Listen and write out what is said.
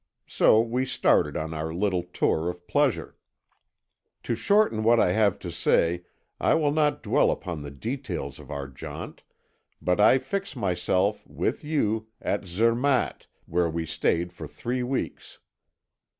So we started on our little tour of pleasure. "To shorten what I have to say I will not dwell upon the details of our jaunt, but I fix myself, with you, at Zermatt, where we stayed for three weeks.